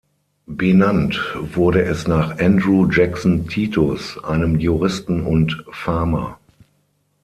Benannt wurde es nach Andrew Jackson Titus, einem Juristen und Farmer.